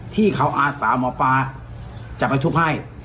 ที่เขาอาสาหมอปลาจะไปทุบให้